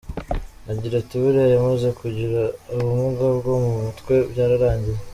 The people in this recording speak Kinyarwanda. Agira ati “Buriya yamaze kugira ubumuga bwo mu mutwe byararangiye.